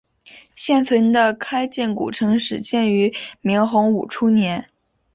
现存的开建古城始建于明洪武初年。